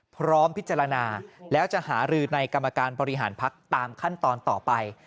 พร้อมพิจารณาแล้วจะหารือในกรรมการบริหารพักตามขั้นตอนต่อไป